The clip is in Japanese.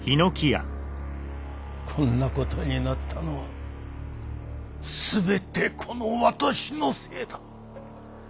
こんなことになったのはすべてこの私のせいだ。